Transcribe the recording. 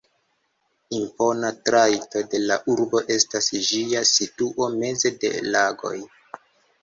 Impona trajto de la urbo estas ĝia situo meze de lagoj.